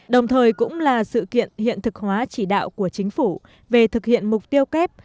đồng thời cũng là sự kiện hiện thực hóa chỉ đạo của chính phủ về thực hiện mục tiêu kép